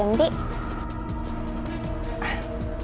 enggak udah kok